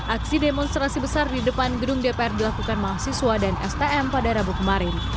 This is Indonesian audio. aksi demonstrasi besar di depan gedung dpr dilakukan mahasiswa dan stm pada rabu kemarin